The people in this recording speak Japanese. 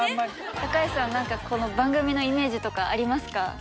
高橋さん何か番組のイメージとかありますか？